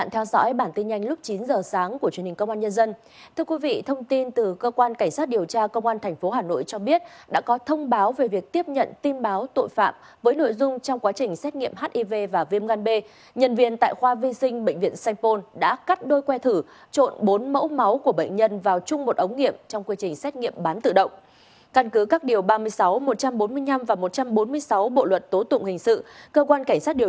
hãy đăng ký kênh để ủng hộ kênh của chúng mình nhé